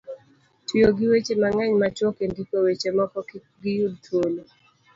tiyo gi weche mang'eny machuok e ndiko weche mondo kik giyud thuolo